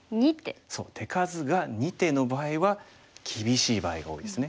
そう手数が２手の場合は厳しい場合が多いですね。